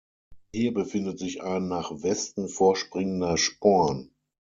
Hier befindet sich ein nach Westen vorspringender Sporn.